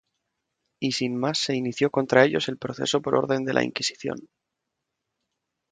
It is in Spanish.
Y sin más se inició contra ellos el proceso por orden de la Inquisición.